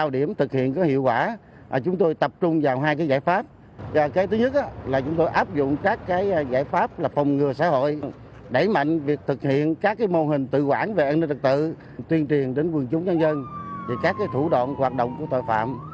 đảng về an ninh trật tự tuyên truyền đến quân chúng nhân dân về các thủ đoạn hoạt động của tội phạm